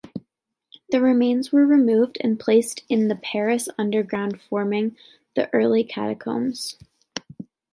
The remains were removed and placed in the Paris underground forming the early Catacombs.